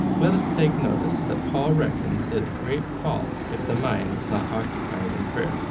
Let us take notice, that Paul reckons it a great fault if the mind is not occupied in prayer.